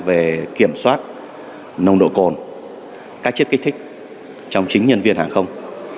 về kiểm soát nồng độ cồn các chất kích thích trong chính nhân viên hàng không